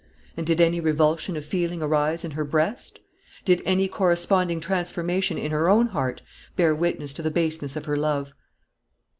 And did any revulsion of feeling arise in her breast? Did any corresponding transformation in her own heart bear witness to the baseness of her love?